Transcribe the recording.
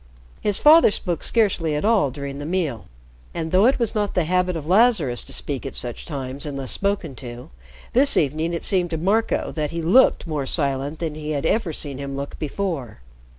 His father spoke scarcely at all during the meal, and, though it was not the habit of Lazarus to speak at such times unless spoken to, this evening it seemed to Marco that he looked more silent than he had ever seen him look before.